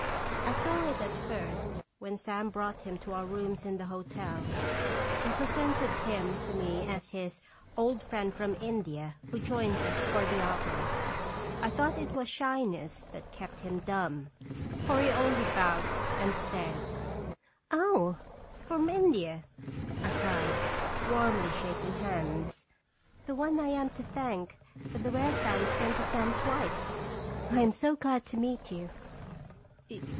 I saw it at first, when Sam brought him to our rooms in the hotel and pre sented him to me as his "old friend from In dia, who joins us for the opera." I thought it was shyness that kept him dumb, for he only bowed and stared. "Oh, from India !" I cried, warmly, shak ing hands; "the one I am to thank for the rare fan sent to Sam's wife ! I am so glad to meet you."